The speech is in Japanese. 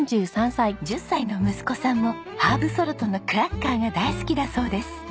１０歳の息子さんもハーブソルトのクラッカーが大好きだそうです。